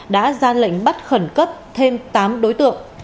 đã ra lệnh bắt khẩn cấp thêm tám đối tượng